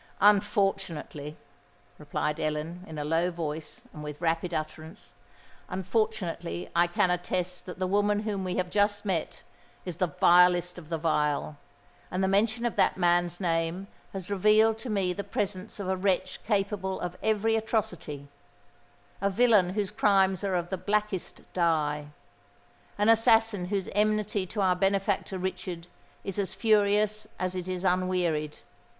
"Unfortunately," replied Ellen, in a low voice and with rapid utterance,—"unfortunately I can attest that the woman whom we have just met, is the vilest of the vile; and the mention of that man's name has revealed to me the presence of a wretch capable of every atrocity—a villain whose crimes are of the blackest dye—an assassin whose enmity to our benefactor Richard is as furious as it is unwearied.